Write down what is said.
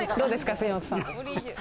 杉本さん。